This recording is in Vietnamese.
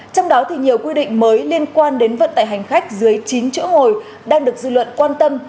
trong đó thì nhiều quy định mới liên quan đến vận tải hành khách dưới chín chỗ ngồi đang được dư luận quan tâm